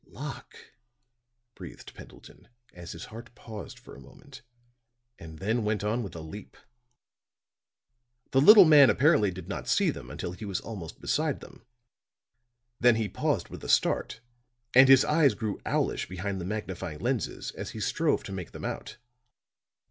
"Locke," breathed Pendleton, as his heart paused for a moment and then went on with a leap. The little man apparently did not see them until he was almost beside them; then he paused with a start, and his eyes grew owlish behind the magnifying lenses as he strove to make them out.